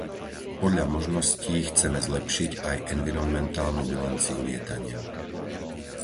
Podľa možností chceme zlepšiť aj environmentálnu bilanciu lietania